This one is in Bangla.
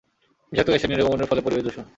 বিষাক্ত গ্যাসের নির্গমনের ফলে পরিবেশ দূষণ।